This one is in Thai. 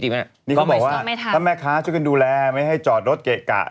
นี่เขาบอกว่าถ้าแม่ค้าช่วยกันดูแลไม่ให้จอดรถเกะกะ